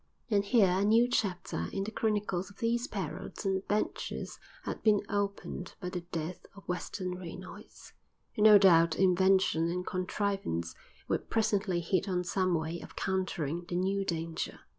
And here a new chapter in the chronicles of these perils and adventures had been opened by the death of Western Reynolds; and no doubt invention and contrivance would presently hit on some way of countering the new danger.